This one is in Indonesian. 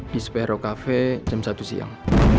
di sperro cafe jam satu siang